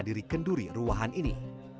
di ruahan ini